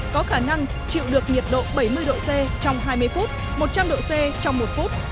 có khả năng chịu được nhiệt độ bảy mươi độ c trong hai mươi phút một trăm linh độ c trong một phút